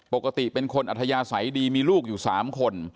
ปกติเป็นคนอัธยาศัยดีมีลูกอยู่๓คน